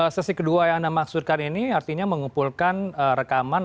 sesi kedua yang anda maksudkan ini artinya mengumpulkan rekaman